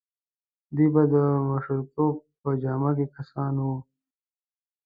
دوی به د مشرتوب په جامه کې کسان وو.